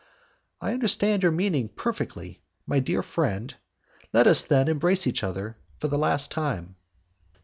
"I understand your meaning perfectly, my dear friend; let us, then, embrace each other for the last time."